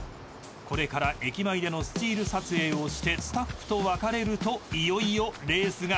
［これから駅前でのスチール撮影をしてスタッフと別れるといよいよレースが始まります］